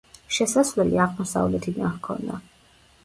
შესასვლელი აღმოსავლეთიდან ჰქონდა.